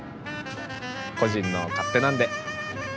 個人の勝手なんで。